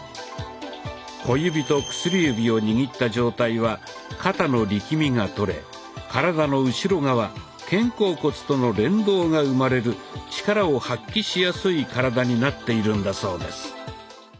小指と薬指を握った状態は肩の力みがとれ体の後ろ側・肩甲骨との連動が生まれる力を発揮しやすい体になっているんだそうです。